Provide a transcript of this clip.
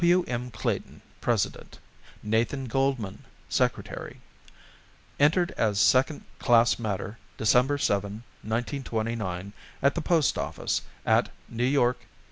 W. M. Clayton, President; Nathan Goldmann, Secretary. Entered as second class matter December 7, 1929, at the Post Office at New York, N.